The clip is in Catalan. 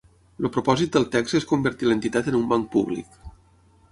El propòsit del text és convertir l’entitat en un banc públic.